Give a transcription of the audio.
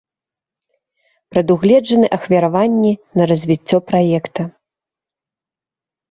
Прадугледжаны ахвяраванні на развіццё праекта.